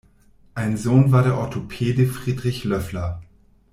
Ein Sohn war der Orthopäde Friedrich Loeffler.